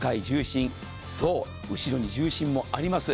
そう、後ろに重心もあります。